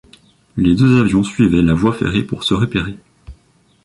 Les deux avions suivaient la voie ferrée pour se repérer.